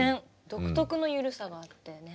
独特の緩さがあってね。